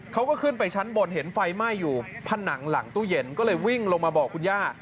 เขาก็ขึ้นไปชั้นบนเห็นไฟไหม้อยู่ผนังหลังตู้เย็นก็เลยวิ่งลงมาบอกคุณย่า